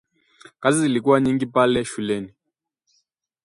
Kazi zilikuwa nyingi pale shuleni